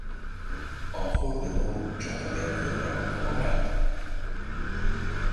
A Fort du Nord csata nélkül megadta magát.